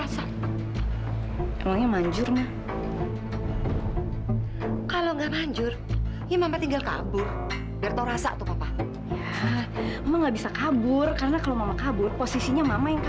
sampai jumpa di video selanjutnya